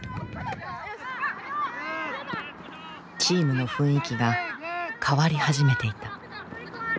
チームの雰囲気が変わり始めていた。